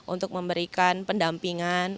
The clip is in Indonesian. untuk memberikan pendampingan